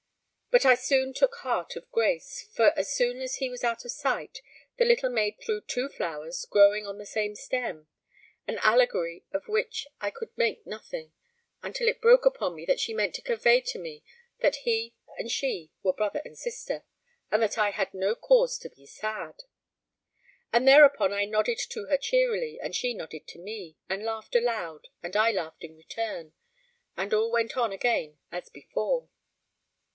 But I soon took heart of grace, for as soon as he was out of sight, the little maid threw two flowers growing on the same stem an allegory of which I could make nothing, until it broke upon me that she meant to convey to me that he and she were brother and sister, and that I had no cause to be sad. And thereupon I nodded to her cheerily, and she nodded to me, and laughed aloud, and I laughed in return, and all went on again as before.